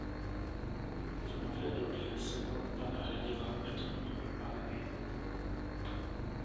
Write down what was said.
V nové době se klenba nahradila betonovými panely.